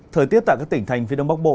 thời tiết tại các tỉnh thành phía đông bắc bộ